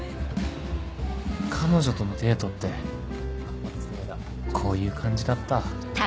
彼女とのデートってこういう感じだった